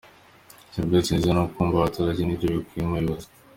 Serivisi nziza no kumva abaturage ni byo bikwiye Umuyobozi